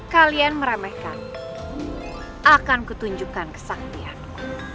kalian meremehkan akan kutunjukkan kesaktianku